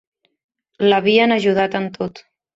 L'havien ajudat en tot.